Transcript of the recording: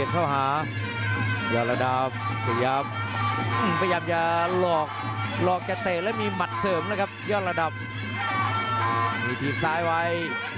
กับทีมซ้าย